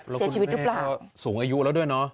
แล้วคุณแม่เขาสูงอายุแล้วด้วยเนอะ